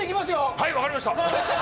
はい分かりました！